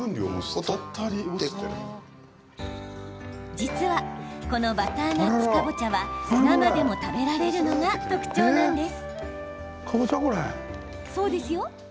実はこのバターナッツかぼちゃは生でも食べられるのが特徴なんです。